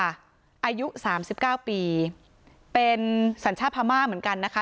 อายุสามสิบเก้าปีเป็นสัญชาติพม่าเหมือนกันนะคะ